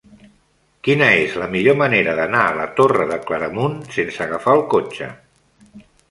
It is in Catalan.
Quina és la millor manera d'anar a la Torre de Claramunt sense agafar el cotxe?